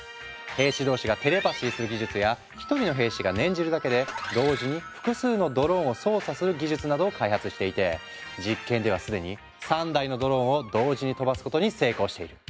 兵士同士がテレパシーする技術や１人の兵士が念じるだけで同時に複数のドローンを操作する技術などを開発していて実験ではすでに３台のドローンを同時に飛ばすことに成功している。